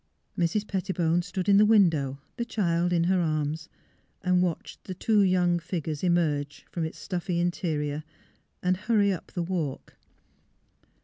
Mrs. Petti bone stood in the window, the child in her arms, and watched the two young figures emerge from 348 THE HEART OF PHILUEA its stuffy interior and hurry up the walk.